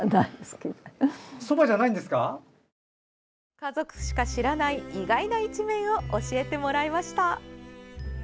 家族しか知らない意外な一面を教えてもらいました。